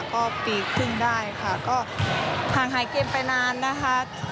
ก็ปีครึ่งได้ค่ะก็ห่างหายเกมไปนานนะคะ